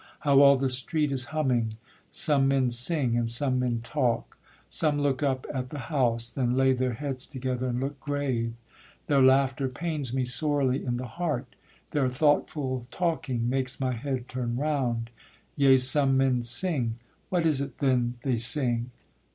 How all the street is humming, some men sing, And some men talk; some look up at the house, Then lay their heads together and look grave: Their laughter pains me sorely in the heart; Their thoughtful talking makes my head turn round: Yea, some men sing, what is it then they sing?